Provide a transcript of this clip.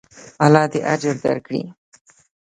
الله دې اجر درکړي.